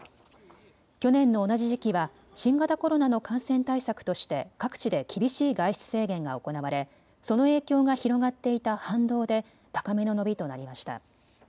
去年の同じ時期は新型コロナの感染対策として各地で厳しい外出制限が行われその影響が広がっていた反動で高めの伸びとなりました。